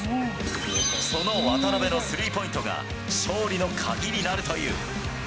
その渡邊のスリーポイントが勝利の鍵になるという。